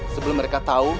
sebelum mereka tau